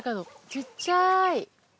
ちっちゃい。